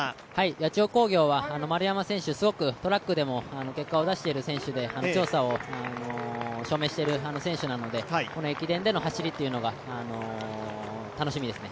八千代工業は丸山選手、すごくトラックでも結果を出している選手で強さを証明している選手なので駅伝での走りというのは、楽しみですね。